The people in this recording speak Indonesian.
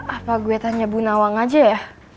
apa gue tanya bu nawang aja ya